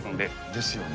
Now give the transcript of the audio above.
ですよね。